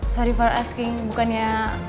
sorry for asking bukannya